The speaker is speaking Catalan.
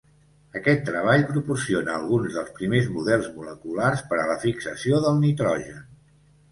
Aquest treball proporciona alguns dels primers models moleculars per a la fixació del nitrogen.